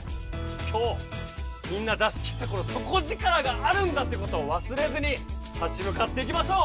きょうみんな出しきったこのそこぢからがあるんだってことをわすれずに立ちむかっていきましょう。